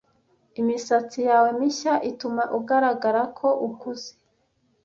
Imisatsi yawe mishya ituma ugaragara ko ukuze.